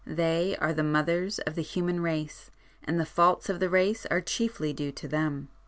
They are the mothers of the human race, and the faults of the race are chiefly due to them.